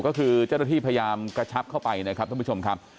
ก็คือเจ้าหน้าที่พยายามกระชับเข้าไปนะครับท่านผู้ชมครับ